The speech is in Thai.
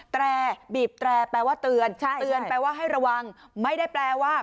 แต่บีบแตรแปลว่าเตือนเตือนแปลว่าให้ระวังไม่ได้แปลว่า